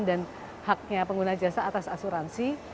dan haknya pengguna jasa atas asuransi